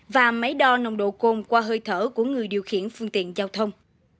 và máy đo nồng độ cồn qua hơi thở của người điều khiển phương tiện giao thông